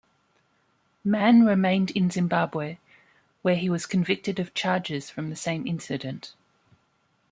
Mann remained in Zimbabwe, where he was convicted of charges from the same incident.